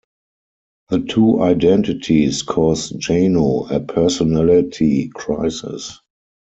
The two identities cause Jano a personality crisis.